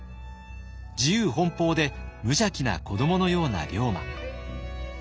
自由奔放で無邪気な子どものような龍馬。